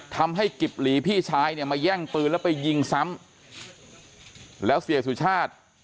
ทำให้กิบหลีพี่ชายเนี่ยมาแย่งปืนแล้วไปยิงซ้ำแล้วเสียสุชาติ